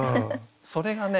それがね